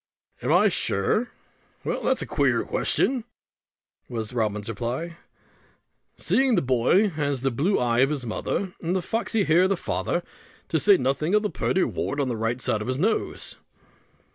"Am I sure? Well, that's a queer question," was Robin's reply; "seeing the boy has the blue eye of the mother, with the foxy hair of the father; to say nothing of the purty wart on the right side of his little nose."